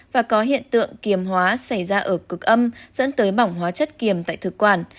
và có hiện tượng kiềm hóa xảy ra ở cực âm dẫn tới bỏng hóa chất kiềm tại thực quản